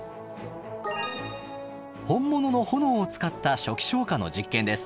本物の炎を使った初期消火の実験です。